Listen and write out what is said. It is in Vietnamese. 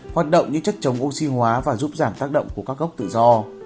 hoạt động như chất chống oxy hóa và giúp giảm tác động của các gốc tự do